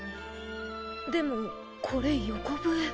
でもこれ横笛。